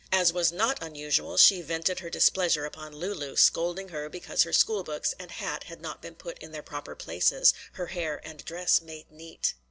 As was not unusual she vented her displeasure upon Lulu, scolding because her school books and hat had not been put in their proper places, her hair and dress made neat.